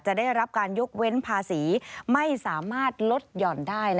ได้รับการยกเว้นภาษีไม่สามารถลดหย่อนได้